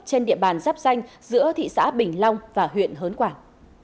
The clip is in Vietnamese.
trên địa bàn giáp danh giữa thị xã bình long và huyện hớn quảng